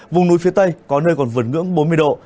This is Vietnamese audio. vùng núi phía tây có nơi còn vượt ngưỡng bốn mươi độ